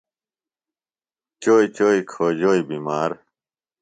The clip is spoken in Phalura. چوئی چوئی کھوجوئی بِمار